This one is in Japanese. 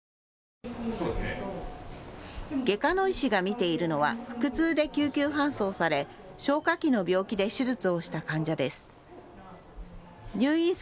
外科の医師が診ているのは腹痛で救急搬送され消化器の病気で手術をした患者です。